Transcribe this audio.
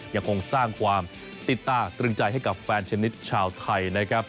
ยังคงสร้างความติดตาตรึงใจให้กับแฟนชนิดชาวไทยนะครับ